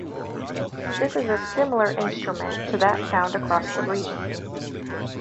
This is a similar instrument to that found across the region.